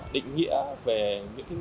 định nghĩa về những